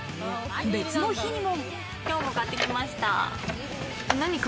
別の日にも。